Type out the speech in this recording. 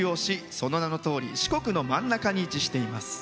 その名のとおり、四国の真ん中に位置しています。